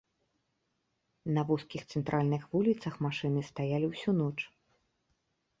На вузкіх цэнтральных вуліцах машыны стаялі ўсю ноч.